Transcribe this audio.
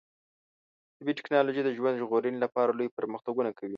طبي ټکنالوژي د ژوند ژغورنې لپاره لوی پرمختګونه کوي.